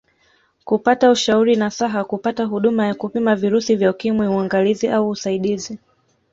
Kupata ushauri nasaha kupata huduma ya kupima virusi vya Ukimwi uangalizi au usaidizi